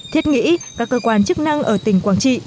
thiết nghĩ các cơ quan chức năng ở tỉnh quảng trị